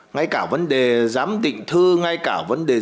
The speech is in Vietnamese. ngay cả vấn đề giám định thư ngay cả vấn đề giám đảm